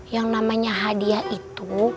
yang namanya hadiah itu